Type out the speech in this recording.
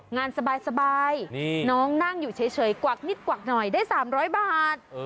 งานสบายน้องนั่งอยู่เฉยกวักนิดกวักหน่อยได้๓๐๐บาท